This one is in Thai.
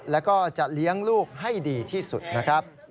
แล้วก็จะเลี้ยงลูกให้ดีที่สุดนะครับ